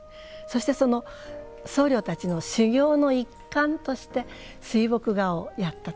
そしてその僧侶たちの修行の一環として水墨画をやった。